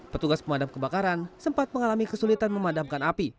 petugas pemadam kebakaran sempat mengalami kesulitan memadamkan api